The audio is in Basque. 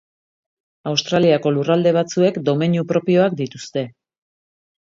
Australiako lurralde batzuek domeinu propioak dituzte.